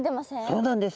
そうなんです。